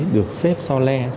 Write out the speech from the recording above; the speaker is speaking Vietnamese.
được xếp so le